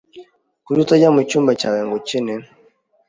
Kuki utajya mucyumba cyawe ngo ukine?